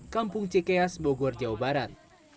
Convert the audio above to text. kampung cikeas bogor jawa barat